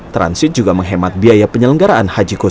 transit juga menghemat biaya penyelenggaraan haji khusus